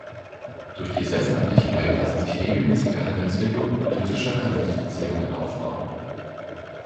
Durch die Sesshaftigkeit lassen sich regelmäßige Handelswege und politische Handelsbeziehungen aufbauen.